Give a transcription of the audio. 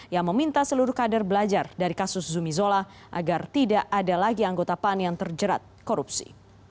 yang meminta seluruh kader belajar dari kasus zumi zola agar tidak ada lagi anggota pan yang terjerat korupsi